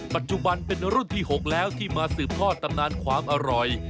ปัจจุบันเป็นรุ่นที่๖แล้วที่มาสืบทอดตำนานความอร่อย